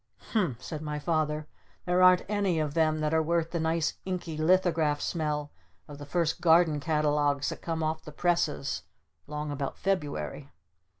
"Humph!" said my Father. "There aren't any of them that are worth the nice inky lithograph smell of the first Garden Catalogues that come off the presses 'long about February!"